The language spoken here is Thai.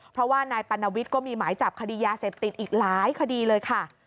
เพราะว่านายปัณวิทย์ก็มีหมายจับคดียาเสพติดอีกหลายคดีเลยค่ะ